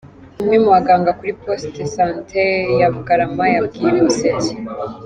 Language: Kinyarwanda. Umwe mu baganga kuri post de santé ya Bugarama yabwiye Umuseke.